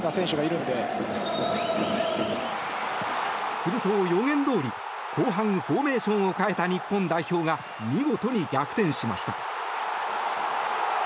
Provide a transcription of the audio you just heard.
すると予言どおり後半フォーメーションを変えた日本代表が見事に逆転しました。